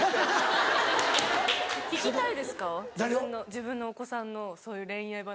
自分のお子さんのそういう恋愛話。